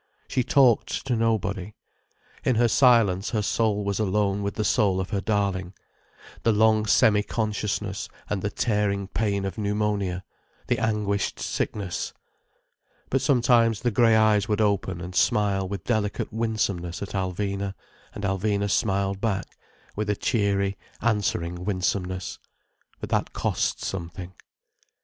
She talked to nobody. In her silence her soul was alone with the soul of her darling. The long semi consciousness and the tearing pain of pneumonia, the anguished sickness. But sometimes the grey eyes would open and smile with delicate winsomeness at Alvina, and Alvina smiled back, with a cheery, answering winsomeness. But that costs something.